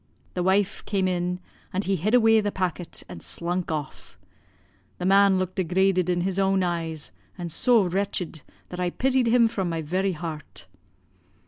The wife came in, and he hid away the packet and slunk off. The man looked degraded in his own eyes, and so wretched, that I pitied him from my very heart.